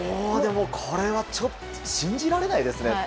これはちょっと信じられないですね。